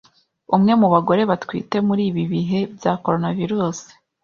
umwe mu bagore batwite muri ibi bihe bya coronavirus